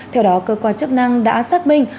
theo đó cơ quan chức năng đã xác minh